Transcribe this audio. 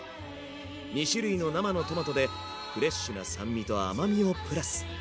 ２種類の生のトマトでフレッシュな酸味と甘みをプラス。